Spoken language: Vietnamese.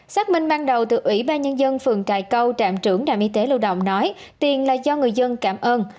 xác minh ban đầu từ ủy ba nhân dân phường trại cao trạm trưởng trạm y tế lưu động nói tiền là do người dân cảm ơn